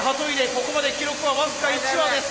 ここまで記録は僅か１羽です。